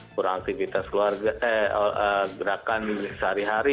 kurang aktivitas gerakan sehari hari